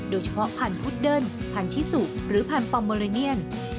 โดยเฉพาะพันธุ์พุดเดิ้นพันธุ์ชิสุหรือพันธุ์ปอมเมอร์เนียน